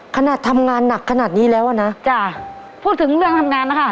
ขนาดทำงานหนักขนาดนี้แล้วอ่ะนะจ้ะพูดถึงเรื่องทำงานนะคะ